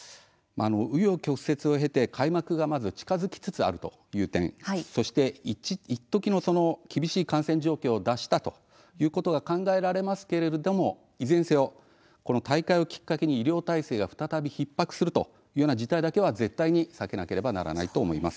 う余曲折を経て開幕が近づきつつあるということそしていっときの厳しい感染状況を脱したということが考えられますけれどもいずれにせよ大会をきっかけに医療体制が再びひっ迫するというような事態だけは絶対に避けなければならないと思います。